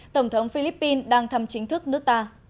tổng thống philippines đang thăm chính thức nước